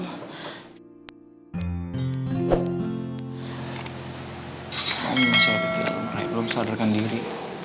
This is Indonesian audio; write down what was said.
mama masih ada di dalam naik belum sadarkan diri